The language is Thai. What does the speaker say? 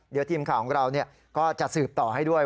เดี๋ยวทีมข่าวของเราก็จะสืบต่อให้ด้วย